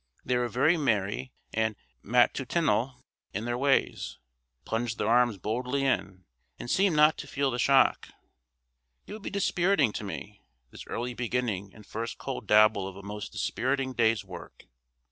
They were very merry and matutinal in their ways; plunged their arms boldly in, and seemed not to feel the shock. It would be dispiriting to me, this early beginning and first cold dabble of a most dispiriting day's work.